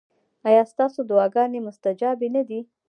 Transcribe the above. ایا ستاسو دعاګانې مستجابې نه دي؟